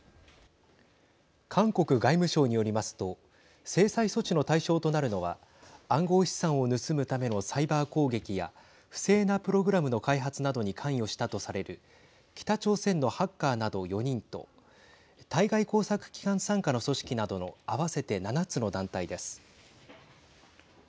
韓国外務省によりますと制裁措置の対象となるのは暗号資産を盗むためのサイバー攻撃や不正なプログラムの開発などに関与したとされる北朝鮮のハッカーなど４人と対外工作機関傘下の組織などの合わせて７つの団体です。